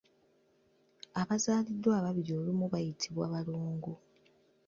Abazaaliddwa ababiri olumu bayitibwa balongo.